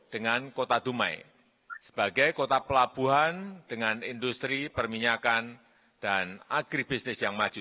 dengan kota dumai sebagai kota pelabuhan dengan industri perminyakan dan agribisnis yang maju